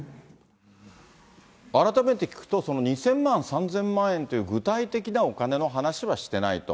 改めて聞くと、２０００万、３０００万円という具体的なお金の話はしてないと。